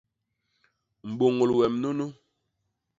Mbôñôl wem nunu.